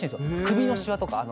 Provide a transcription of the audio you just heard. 首のしわとか。